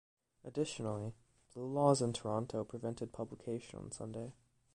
Additionally, Blue laws in Toronto prevented publication on Sunday.